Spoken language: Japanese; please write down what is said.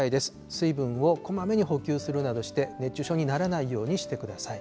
水分をこまめに補給するなどして、熱中症にならないようにしてください。